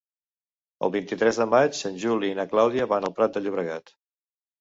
El vint-i-tres de maig en Juli i na Clàudia van al Prat de Llobregat.